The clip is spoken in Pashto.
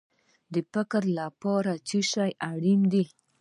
د فکر لپاره څه شی اړین دی؟